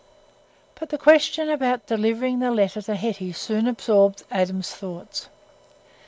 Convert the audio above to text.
But the question about delivering the letter to Hetty soon absorbed Adam's thoughts.